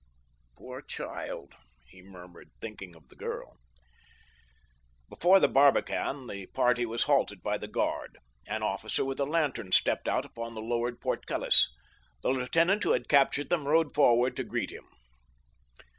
"Poor child," he murmured, thinking of the girl. Before the barbican the party was halted by the guard. An officer with a lantern stepped out upon the lowered portcullis. The lieutenant who had captured them rode forward to meet him.